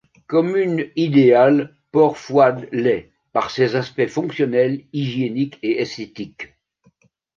Commune idéale, Port-Fouad l'est par ses aspects fonctionnels, hygiéniques et esthétiques.